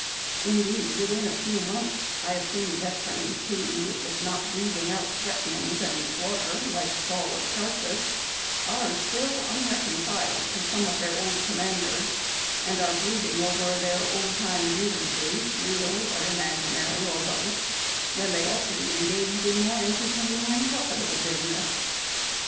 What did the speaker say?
Indeed, within a few months I have seen veterans who, if not breathing out threatenings and slaughter, like Saul of Tarsus, are still unreconciled to some of their old commanders, and are brood ing over their old time grievances, real or imaginary, or both, when they ought to be engaged in more entertaining and profitable" business.